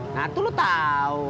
nah itu lu tau